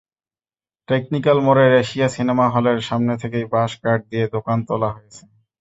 Technical মোড়ের Asia cinema হলের সামনে থেকেই বাঁশ-কাঠ দিয়ে দোকান তোলা হয়েছে।